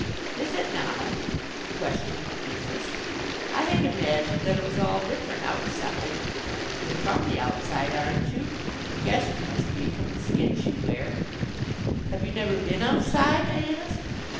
"Is it now!" he questioned with interest. "I had imagined that it was all different Outside. You're from the Outside, aren't you? I guessed you must be from the skins you wear." "Have you never been Outside?" I asked.